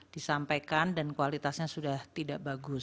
disampaikan dan kualitasnya sudah tidak bagus